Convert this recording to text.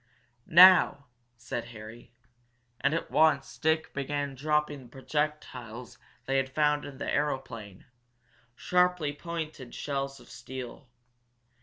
"Now!" said Harry. And at once Dick began dropping projectiles they had found in the aeroplane sharply pointed shells of steel.